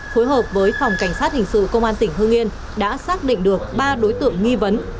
phối hợp với phòng cảnh sát hình sự công an tỉnh hương yên đã xác định được ba đối tượng nghi vấn